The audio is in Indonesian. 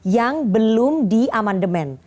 yang belum di amandemen